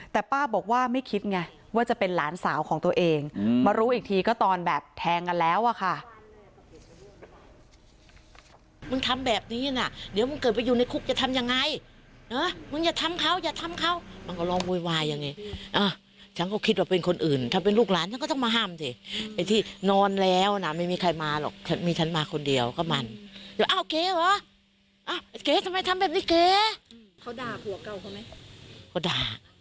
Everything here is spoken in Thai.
แต่ป้าบอกว่าไม่คิดไงว่าจะเป็นหลานสาวของตัวเองมารู้อีกทีก็ตอนแบบแทงกันแล้วอะค่ะ